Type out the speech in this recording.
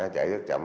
chạy rất chậm